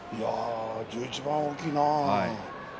１１番は大きいな。